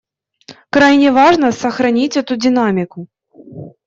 Крайне важно сохранить эту динамику.